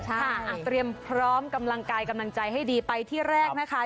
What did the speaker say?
เตรียมพร้อมกำลังกายกำลังใจให้ดีไปที่แรกนะคะ